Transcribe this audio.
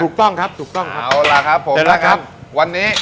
ถูกต้องครับถูกต้องครับเอาล่ะครับผมเดี๋ยวละครับวันนี้